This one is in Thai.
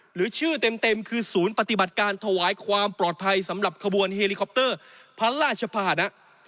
หรือชื่อเต็มคือศูนย์ปฏิบัติการถวายความปลอดภัยสำหรับขบวนเฮลิคอปเตอร์พระราชภาษณะ